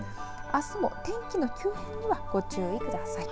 あすも天気の急変にはご注意ください。